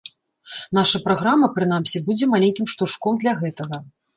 Наша праграма, прынамсі, будзе маленькім штуршком для гэтага.